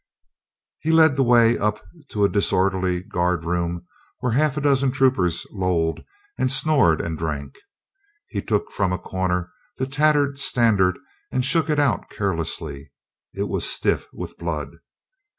He led the way up to a disorderly guard room where half a dozen troopers lolled and snored and drank. He took from a corner the tattered stand ard and shook it out carelessly. It was stiff with blood.